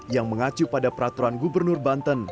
yang mengacu pada peraturan gubernur banten